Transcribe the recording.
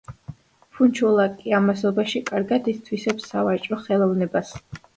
ფუნჩულა კი ამასობაში კარგად ითვისებს სავაჭრო ხელოვნებას.